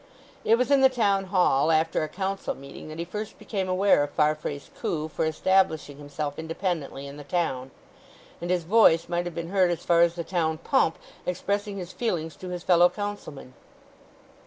It was in the town hall, after a council meeting, that he first became aware of Farfrae's coup for establishing himself independently in the town; and his voice might have been heard as far as the town pump expressing his feelings to his fellow councilmen.